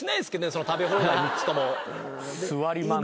その食べ放題３つとも。